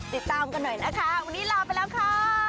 ติดตามกันหน่อยนะคะวันนี้ลาไปแล้วค่ะ